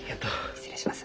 失礼します。